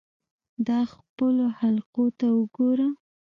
دا خپلو خلقو ته وګوره.